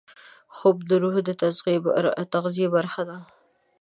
خوب د روح د تغذیې برخه ده